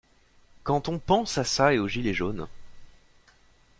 Quand on pense à ça et aux gilets jaunes.